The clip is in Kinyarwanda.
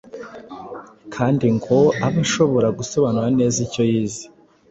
kandi ngo abe ashobora gusobanura neza icyo yize.